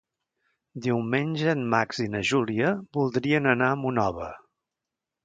Diumenge en Max i na Júlia voldrien anar a Monòver.